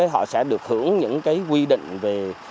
họ sẽ được hưởng những cái quy định về